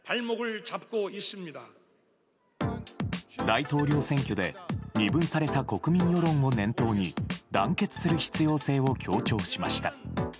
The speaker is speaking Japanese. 大統領選挙で二分された国民世論を念頭に団結する必要性を強調しました。